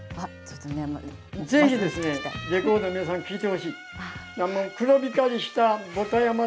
ぜひレコード、皆さんに聴いてほしい。